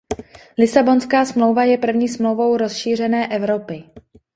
Lisabonská smlouva je první smlouvou rozšířené Evropy.